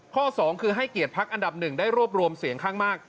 ๒คือให้เกียรติพักอันดับหนึ่งได้รวบรวมเสียงข้างมาก